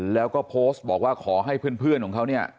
แล้วก็โพสต์บอกว่าขอให้เพื่อนของเขาเนี่ย